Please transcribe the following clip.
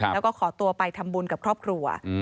แล้วก็ขอตัวไปทำบุญกับครอบครัว